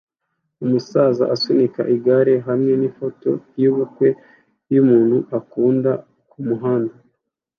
Umusaza asunika igare hamwe nifoto yibukwa yumuntu ukunda kumuhanda